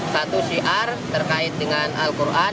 satu syiar terkait dengan al quran